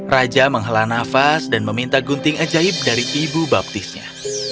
raja menghala nafas dan meminta gunting ajaib dari ibu baptisnya